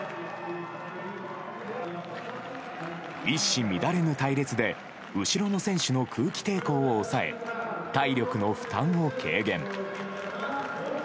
一糸乱れぬ隊列で後ろの選手の空気抵抗を抑え体力の負担を軽減。